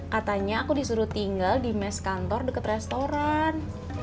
katanya aku disuruh tinggal di mes kantor dekat restoran